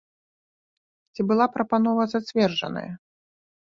Ці была прапанова зацверджаная?